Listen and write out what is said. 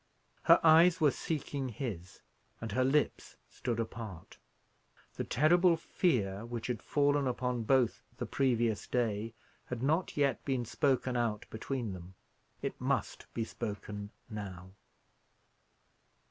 Her eyes were seeking his, and her lips stood apart. The terrible fear which had fallen upon both the previous day had not yet been spoken out between them. It must be spoken now.